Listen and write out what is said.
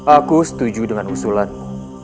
aku setuju dengan usulanmu